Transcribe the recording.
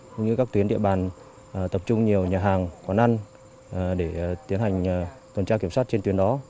cũng như các tuyến địa bàn tập trung nhiều nhà hàng quán ăn để tiến hành tuần tra kiểm soát trên tuyến đó